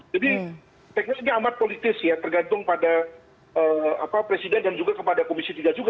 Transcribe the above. jadi tekniknya amat politis ya tergantung pada presiden dan juga kepada komisi tiga juga